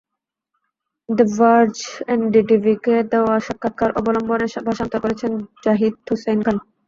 The Verge, এনডিটিভিকে দেওয়া সাক্ষাৎকার অবলম্বনে ভাষান্তর করেছেন জাহিদ হোসাইন খান।